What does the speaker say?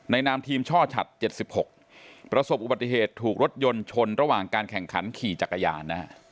นามทีมช่อฉัด๗๖ประสบอุบัติเหตุถูกรถยนต์ชนระหว่างการแข่งขันขี่จักรยานนะฮะ